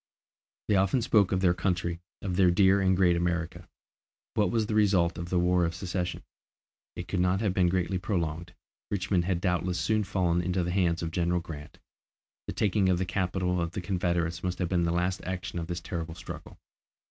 They often spoke of their country, of their dear and great America. What was the result of the War of Secession? It could not have been greatly prolonged, Richmond had doubtless soon fallen into the hands of General Grant. The taking of the capital of the Confederates must have been the last action of this terrible struggle.